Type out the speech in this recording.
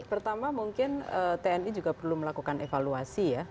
pertama mungkin tni juga perlu melakukan evaluasi ya